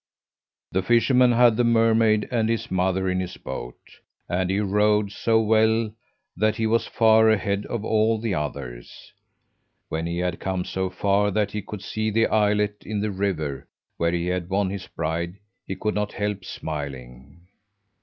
"The fisherman had the mermaid and his mother in his boat, and he rowed so well that he was far ahead of all the others. When he had come so far that he could see the islet in the river, where he won his bride, he could not help smiling.